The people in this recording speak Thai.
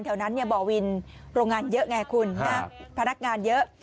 แถวนั้นบ่อวินโรงงานเยอะไงคุณพนักงานเยอะ